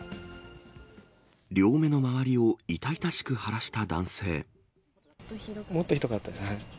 両目の周りを痛々しく腫らしもっとひどかったです。